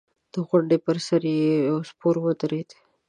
د غونډۍ پر سر يو سپور ودرېد.